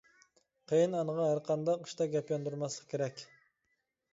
قېيىن ئانىغا ھەر قانداق ئىشتا گەپ ياندۇرماسلىق كېرەك.